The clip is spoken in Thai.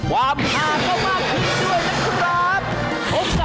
ความห้าก็มากขึ้นด้วยนะครับ